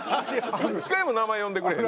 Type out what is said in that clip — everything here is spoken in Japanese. １回も名前呼んでくれへん。